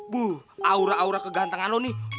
buh aura aura kegantangan lo nih